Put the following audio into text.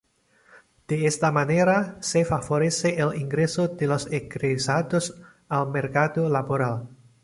De esta manera, se favorece el ingreso de los egresados al mercado laboral.